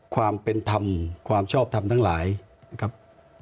ความเป็นธรรมความชอบทำทั้งหลายนะครับ